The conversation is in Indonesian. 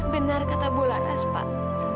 benar kata bulanas pak